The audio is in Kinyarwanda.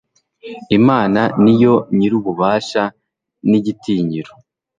imana ni yo nyir'ububasha n'igitinyiro